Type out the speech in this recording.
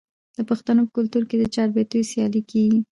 د پښتنو په کلتور کې د چاربیتیو سیالي کیږي.